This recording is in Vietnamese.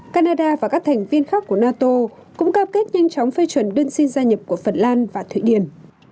canada và các thành viên khác của nato cũng cam kết nhanh chóng phê chuẩn đơn xin gia nhập của phần lan và thụy điển